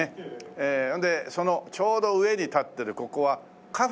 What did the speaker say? でそのちょうど上に立ってるここはカフェですかね。